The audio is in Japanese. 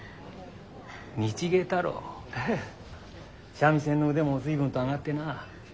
三味線の腕も随分と上がってな。